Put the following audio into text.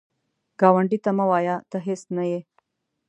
ګاونډي ته مه وایه “ته هیڅ نه یې”